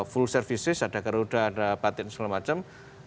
full services ada keruda ada patin segala macam